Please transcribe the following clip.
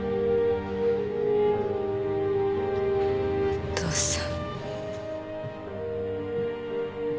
お父さん。